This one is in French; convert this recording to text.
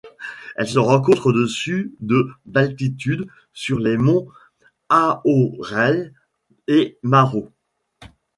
Elle se rencontre au-dessus de d'altitude sur les monts Aorai et Marau.